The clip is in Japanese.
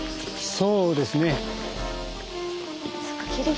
そうですね。